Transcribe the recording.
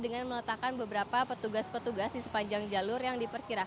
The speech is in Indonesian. dengan meletakkan beberapa petugas petugas di sepanjang jalur yang diperkirakan